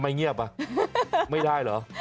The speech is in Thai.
ไม่เงียบไม่ได้เหรอ